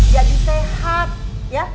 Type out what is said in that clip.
jadi sehat ya